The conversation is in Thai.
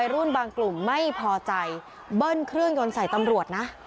รุ่นบางกลุ่มไม่พอใจเบิ้ลเครื่องยนต์ใส่ตำรวจนะ